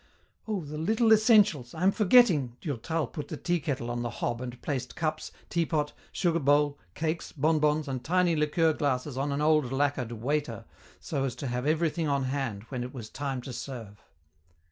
"Oh, the 'little essentials' I am forgetting!" Durtal put the teakettle on the hob and placed cups, teapot, sugar bowl, cakes, bonbons, and tiny liqueur glasses on an old lacquered "waiter" so as to have everything on hand when it was time to serve.